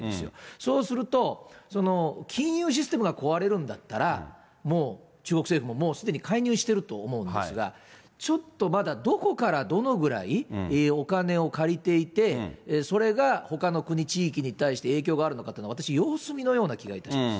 そうすると、その金融システムが壊れるんだったら、もう中国政府も、もうすでに介入してると思うんですが、ちょっとまだ、どこからどのぐらいお金を借りていて、それがほかの国、地域に対して影響があるのかっていうのを、私、様子見のような気がします。